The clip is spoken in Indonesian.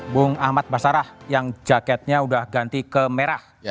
bung ahmad basarah yang jaketnya sudah ganti ke merah